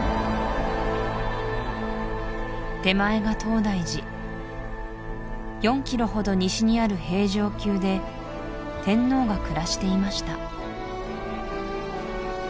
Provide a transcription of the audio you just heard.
手前が東大寺４キロほど西にある平城宮で天皇が暮らしていました